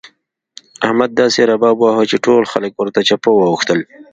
احمد داسې رباب وواهه چې ټول خلګ ورته چپه واوښتل.